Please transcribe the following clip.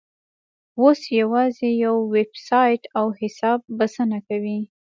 اوس یوازې یو ویبسایټ او حساب بسنه کوي.